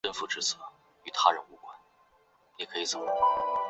宽头云南鳅为鳅科云南鳅属的鱼类。